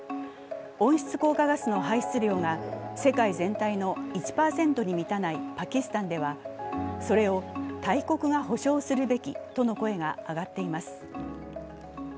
温室効果ガスの排出量が世界全体の１％に満たないパキスタンではそれを大国が補償するべきとの声が上がっています。